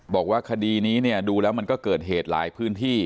บอกว่าคดีนี้ดูแล้วก็เกิดเหตุหลายพื้นที่